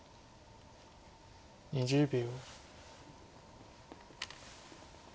２０秒。